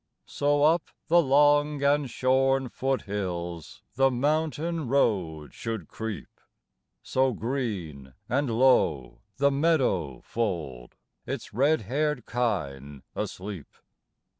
So up the long and shorn foot hills The mountain road should creep; So, green and low, the meadow fold Its red haired kine asleep.